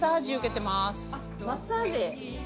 マッサージ。